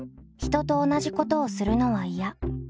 人と同じことをするのはいや。